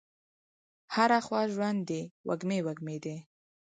هره خوا ژوند دی وږمې، وږمې دي